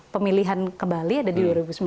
pemilihan ke bali ada di dua ribu sembilan belas